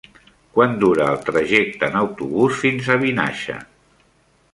Quant dura el trajecte en autobús fins a Vinaixa?